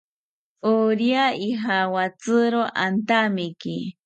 Orya ijawatziro antamiki